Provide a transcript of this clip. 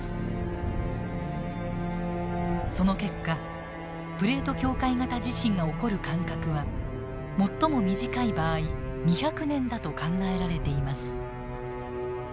その結果プレート境界型地震が起こる間隔は最も短い場合２００年だと考えられています。